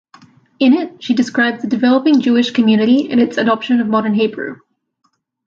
In it she describes the developing Jewish community and its adoption of modern Hebrew.